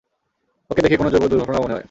ওকে দেখে কোনো জৈব দুর্ঘটনা মনে হয়।